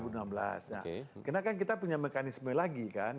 nah kenakan kita punya mekanisme lagi kan